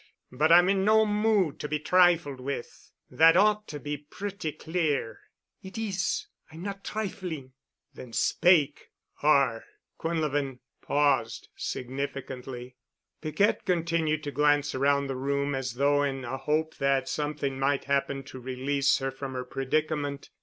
—but I'm in no mood to be trifled with. That ought to be pretty clear." "It is. I'm not trifling." "Then speak. Or——" Quinlevin paused significantly. Piquette continued to glance around the room as though in a hope that something might happen to release her from her predicament.